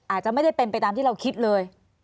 อาจจะไม่ได้เป็นไปตามที่เราคิดเลย